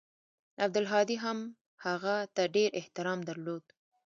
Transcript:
عبدالهادي هم هغه ته ډېر احترام درلود.